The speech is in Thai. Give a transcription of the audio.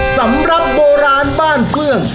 สำหรับโบราณบ้านเฟื่อง